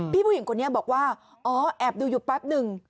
ผู้หญิงคนนี้บอกว่าอ๋อแอบดูอยู่แป๊บหนึ่ง